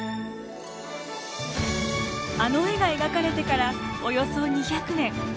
あの絵が描かれてからおよそ２００年。